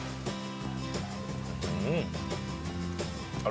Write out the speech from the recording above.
อื้อ